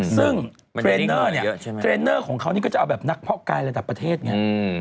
ซึ่งเทรนเนอร์เนี่ยเทรนเนอร์ของเขานี่ก็จะเอาแบบนักเพาะกายระดับประเทศไง